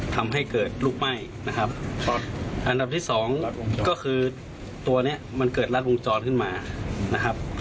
ทำให้เกิดลุกไหม้นะครับอันดับที่สองก็คือตัวเนี้ยมันเกิดรัดวงจรขึ้นมานะครับ